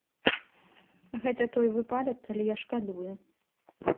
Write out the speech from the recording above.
Гэта той выпадак, калі я шкадую.